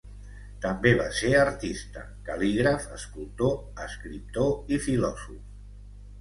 També va ser artista, cal·lígraf, escultor, escriptor i filòsof.